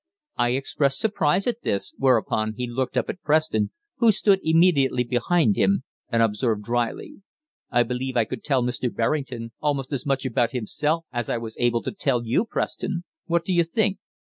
I expressed surprise at this, whereupon he looked up at Preston, who stood immediately behind me, and observed drily: "I believe I could tell Mr. Berrington almost as much about himself as I was able to tell you, Preston; what do you think?"